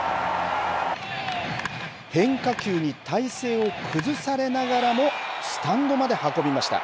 変化球に体勢を崩されながらもスタンドまで運びました。